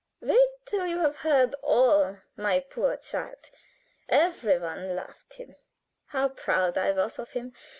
"Wait till you have heard all, my poor child. Everyone loved him. How proud I was of him.